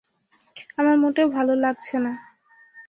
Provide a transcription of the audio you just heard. আমার মোটেও ভালো লাগছে না।